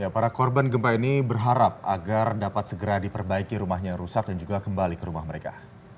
para korban gempa ini berharap agar dapat segera diperbaiki rumahnya yang rusak dan juga kembali ke rumah mereka